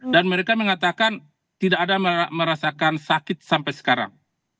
dan mereka mengatakan tidak ada merasakan sakit sampai sekarang